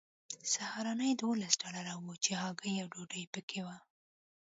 سهارنۍ دولس ډالره وه چې هګۍ او ډوډۍ پکې وه